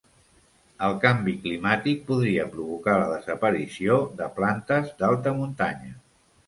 El canvi climàtic podria provocar la desaparició de plantes d’alta muntanya.